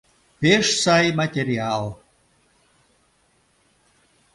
Пеш сай материал...